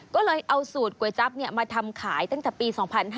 ก็เลยเอาสูตรก๋วยจั๊บมาทำขายตั้งแต่ปี๒๕๕๙